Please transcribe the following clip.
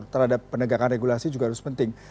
terhadap penegakan regulasi juga harus penting